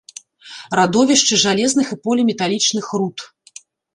Радовішчы жалезных і поліметалічных руд.